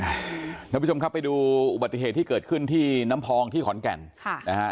ท่านผู้ชมครับไปดูอุบัติเหตุที่เกิดขึ้นที่น้ำพองที่ขอนแก่นค่ะนะฮะ